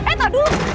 eh tak dulu